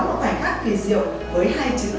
một khoảnh khắc kỳ diệu với hai chữ